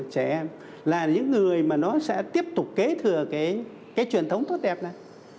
trẻ em là những người mà nó sẽ tiếp tục kế thừa cái truyền thống tốt đẹp này